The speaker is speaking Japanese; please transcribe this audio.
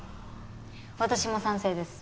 私も賛成です。